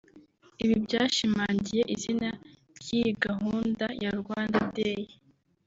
Ibi byashimangiye izina ry’iyi gahunda ya Rwanda Day